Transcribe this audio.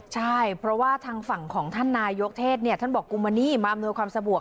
ใช่เพราะว่าทางฝั่งของท่านนายกเทศท่านบอกกุมานี่มาอำนวยความสะดวก